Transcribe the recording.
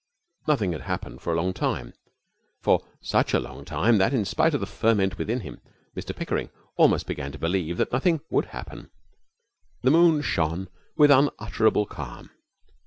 Nothing had happened for a long time for such a long time that, in spite of the ferment within him, Mr Pickering almost began to believe that nothing would happen. The moon shone with unutterable calm.